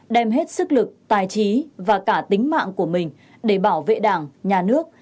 đem hết sức lực tài trí và cả tính mạng của mình để bảo vệ đảng nhà nước